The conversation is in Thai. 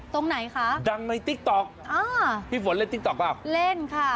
ตรงไหนคะดังในติ๊กต๊อกอ่าพี่ฝนเล่นติ๊กต๊ะเล่นค่ะ